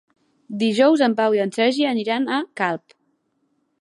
Dijous en Pau i en Sergi aniran a Calp.